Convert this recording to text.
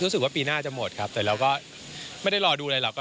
รู้สึกว่าปีหน้าจะหมดครับแต่เราก็ไม่ได้รอดูอะไรหรอก